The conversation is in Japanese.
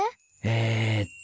えっと。